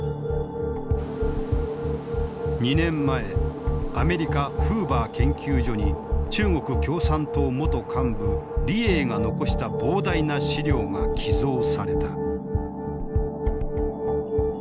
２年前アメリカ・フーバー研究所に中国共産党元幹部李鋭が残した膨大な資料が寄贈された。